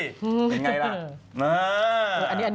เป็นไงล่ะ